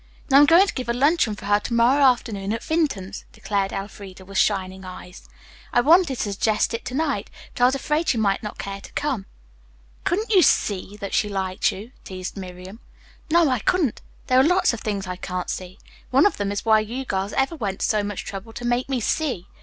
"Then I'm going to give a luncheon for her to morrow afternoon at Vinton's," declared Elfreda with shining eyes. "I wanted to suggest it, to night, but I was afraid she might not care to come." "Couldn't you 'see' that she liked you?" teased Miriam. "No, I couldn't. There are lots of things I can't 'see.' One of them is why you girls ever went to so much trouble to make me 'see.'